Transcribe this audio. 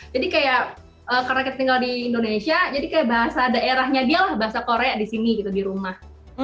jadi kayak karena kita tinggal di indonesia jadi kayak bahasa daerahnya dia lah bahasa korea di sini gitu di rumah